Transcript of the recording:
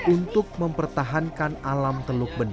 untuk mempertahankan alam teluk benua